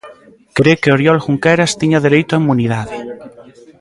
Cre que Oriol Junqueras tiña dereito á inmunidade.